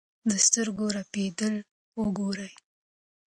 د سترګو رپېدل وګورئ.